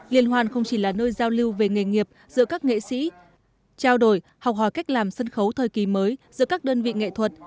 liên hoan không chỉ là nơi giao lưu về nghề nghiệp giữa các nghệ sĩ trao đổi học hỏi cách làm sân khấu thời kỳ mới giữa các đơn vị nghệ thuật